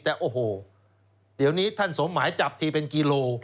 แต่โอ้โหเดี๋ยวนี้ท่านสมหมายจับทีเป็นกิโล